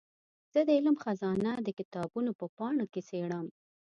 زه د علم خزانه د کتابونو په پاڼو کې څېړم.